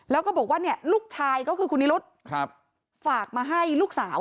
แล้วก็บอกว่าเนี่ยลูกชายก็คือคุณนิรุธฝากมาให้ลูกสาว